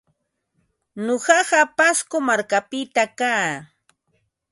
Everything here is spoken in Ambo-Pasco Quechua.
Nuqaqa Pasco markapita kaa.